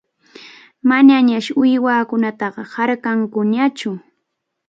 Manañas uywakunataqa harkʼankuñachu.